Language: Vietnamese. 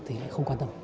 thì không quan tâm